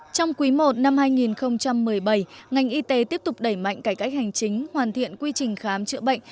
trong quý i năm hai nghìn một mươi bảy ngành y tế tiếp tục đẩy mạnh cải cách hành chính hoàn thiện quy trình khám chữa bệnh